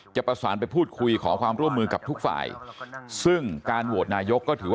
จะประสานไปพูดคุยของความร่วมมือกับทุกฝ่าย